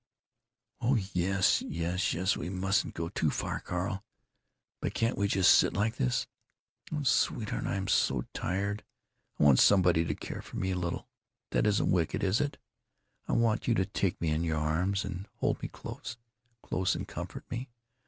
"Oh yes, yes, yes, we mustn't go too far, Carl. But can't we just sit like this? O sweetheart, I am so tired! I want somebody to care for me a little. That isn't wicked, is it? I want you to take me in your arms and hold me close, close, and comfort me.